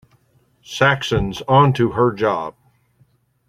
Saxon's onto her job.